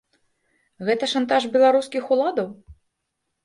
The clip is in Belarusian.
Гэта шантаж беларускіх уладаў?